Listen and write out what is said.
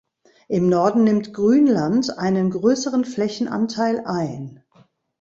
Im Norden nimmt Grünland einen größeren Flächenanteil ein.